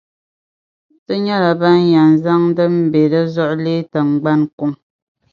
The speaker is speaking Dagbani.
Ti nyɛla ban yɛn zaŋ din be di zuɣu leei tiŋgbani kuŋ.